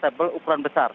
nah ini sudah mulai surut